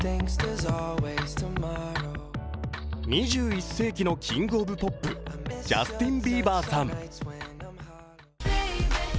２１世紀のキング・オブ・ポップ、ジャスティン・ビーバーさん。